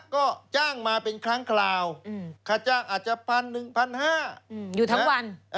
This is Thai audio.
ก็จ้างมาเป็นครั้งคราวค่าจ้างอาจจะ๑๑๕๐๐อยู่ทั้งวัน